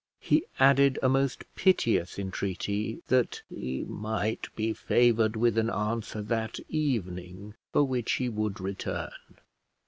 He added a most piteous entreaty that he might be favoured with an answer that evening, for which he would return.